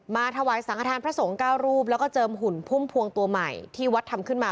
ถวายสังฆฐานพระสงฆ์๙รูปแล้วก็เจิมหุ่นพุ่มพวงตัวใหม่ที่วัดทำขึ้นมา